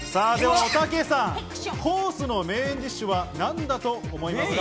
おたけさん、コースのメインディッシュは何だと思いますか？